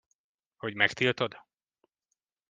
Hogy megtiltod?